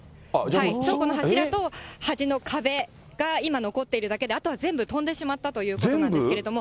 倉庫の柱と端の壁が今残っているだけで、あとは全部飛んでしまったということなんですけれども。